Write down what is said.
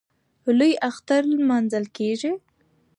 لوی اختر نماځل کېږي.